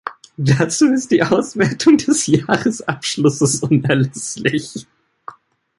Dazu ist die Auswertung des Jahresabschlusses unerlässlich.